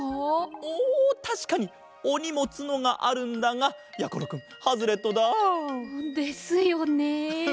おおたしかにおにもつのがあるんだがやころくんハズレットだ。ですよね。